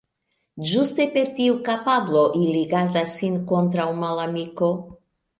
Ĝuste per tiu kapablo ili gardas sin kontraŭ malamiko.